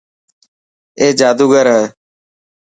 اي جادوگر هي.